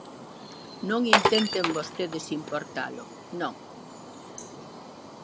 Non intenten vostedes importalo, non.